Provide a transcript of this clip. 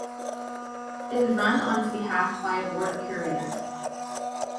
It is run on its behalf by a Board of Curators.